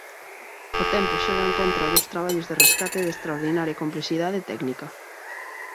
O tempo xoga en contra duns traballos de rescate de extraordinaria complexidade técnica.